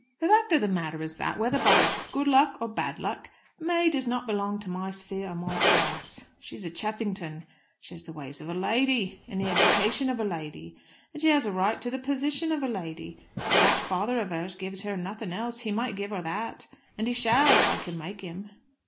"The fact of the matter is that, whether by good luck or bad luck, May does not belong to my sphere or my class. She's a Cheffington. She has the ways of a lady, and the education of a lady, and she has a right to the position of a lady. If that father of hers gives her nothing else he might give her that; and he shall, if I can make him."